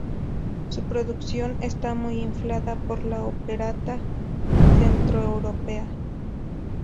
Su producción está muy influida por la opereta centroeuropea.